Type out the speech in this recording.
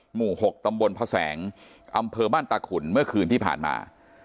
หมู่๖ตำบลพระแสงอำเภอบ้านตาขุนเมื่อคืนที่ผ่านมา